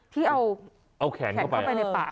ที่เอาแขนเข้าไปในปาก